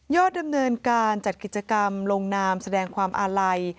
ดำเนินการจัดกิจกรรมลงนามแสดงความอาลัย